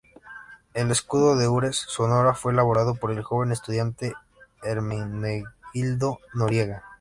El escudo de Ures, Sonora, fue elaborado por el joven estudiante Hermenegildo Noriega.